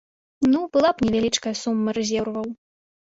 Ну, была б невялічкая сума рэзерваў.